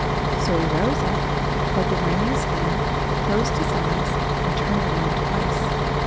So he rose up, held the ring in his hand, closed his eyes, and turned around twice.